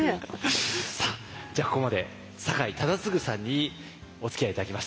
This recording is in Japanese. じゃあここまで酒井忠次さんにおつきあい頂きました。